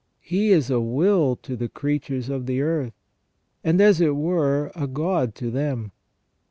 He is a will to the creatures of the earth, and, as it were, a god to them.